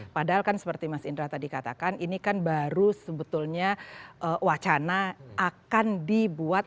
padahal kan seperti mas indra tadi katakan ini kan baru sebetulnya wacana akan dibuat